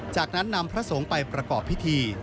จากนั้นนำพระสงฆ์ไปประกอบพิธี